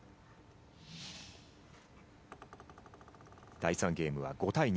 第３ゲームは５対２